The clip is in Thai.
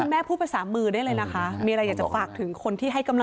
น่ารักจังเลยจับมือได้ไหม